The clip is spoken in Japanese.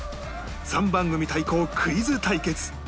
３番組対抗クイズ対決